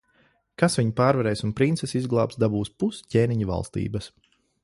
Kas viņu pārvarēs un princesi izglābs, dabūs pus ķēniņa valstības.